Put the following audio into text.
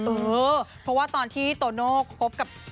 เออเพราะว่าตอนที่โตโน่คบกับ